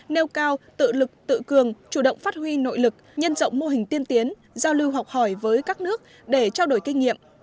nêu cao tự lực tự cường chủ động phát huy nội lực nhân rộng mô hình tiên tiến giao lưu học hỏi với các nước để trao đổi kinh nghiệm